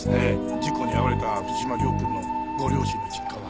事故に遭われた藤島涼君のご両親の実家は。